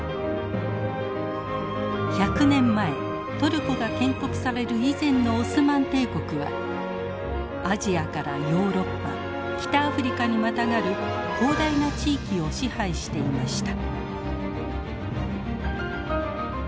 １００年前トルコが建国される以前のオスマン帝国はアジアからヨーロッパ北アフリカにまたがる広大な地域を支配していました。